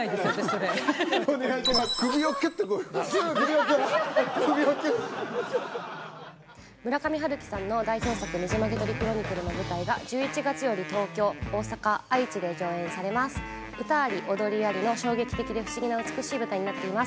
それ首をキュッてこうキュッ首をキュッ首をキュッ村上春樹さんの代表作「ねじまき鳥クロニクル」の舞台が１１月より東京大阪愛知で上演されます歌あり踊りありの衝撃的で不思議な美しい舞台になっています